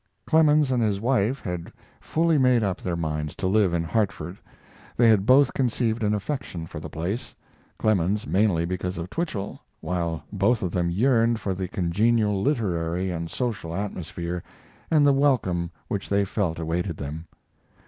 Clemens and his wife had fully made up their minds to live in Hartford. They had both conceived an affection for the place, Clemens mainly because of Twichell, while both of them yearned for the congenial literary and social atmosphere, and the welcome which they felt awaited them.